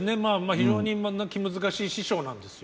非常に気難しい師匠なんですよ。